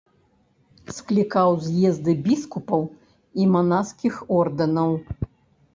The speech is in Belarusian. Склікаў з'езды біскупаў і манаскіх ордэнаў.